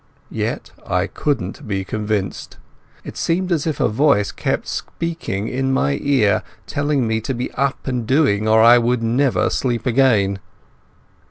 Yet I couldn't be convinced. It seemed as if a voice kept speaking in my ear, telling me to be up and doing, or I would never sleep again.